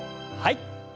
はい。